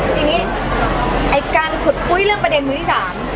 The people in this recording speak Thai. ทีนี้ไอ้การขุดคุยเรื่องประเด็นมือที่สาม